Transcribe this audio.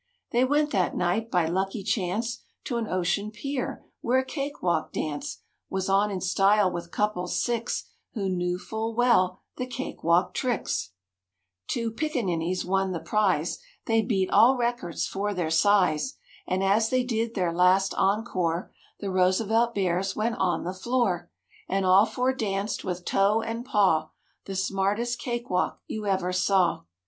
They went that night by lucky chance To an ocean pier where a cake walk dance Was on in style with couples six Who knew full well the cake walk tricks. 106 MORE ABOUT THE ROOSEVELT BEARS Two pickaninnies won the prize; They beat all records for their size; And as they did their last encore The Roosevelt Bears went on the floor, And all four danced with toe and paw The smartest cake walk you ever saw.